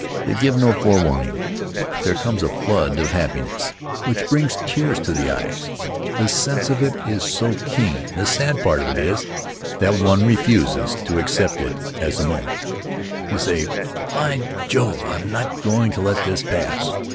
They give no forewarning. There comes a flood of happiness which brings tears to the eyes, the sense of it is so keen. The sad part of it is that one refuses to accept it as a moment. You say, "By Jove! I'm not going to let this pass!"